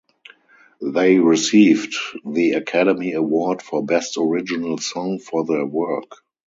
They received the Academy Award for Best Original Song for their work.